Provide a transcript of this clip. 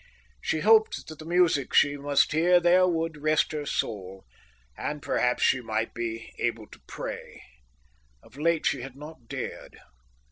She hoped that the music she must hear there would rest her soul, and perhaps she might be able to pray. Of late she had not dared.